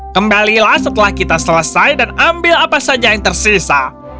kembalilah setelah kita selesai dan ambil apa saja yang tersisa